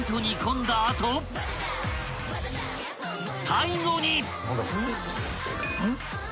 ［最後に］